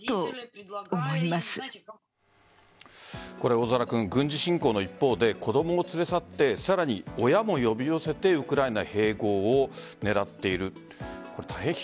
大空君、軍事侵攻の一方で子供を連れ去ってさらに親も呼び寄せてウクライナ併合を狙っている。